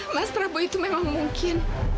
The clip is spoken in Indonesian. mas prabowo itu memang mungkin